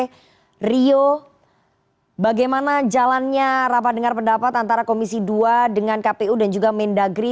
oke rio bagaimana jalannya rapat dengar pendapat antara komisi dua dengan kpu dan juga mendagri